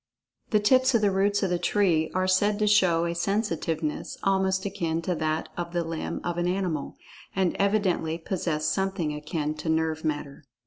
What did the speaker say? The tips of the roots of the tree are said to show a sensitiveness almost akin to that of the limb of an animal, and evidently possess something akin to nerve matter.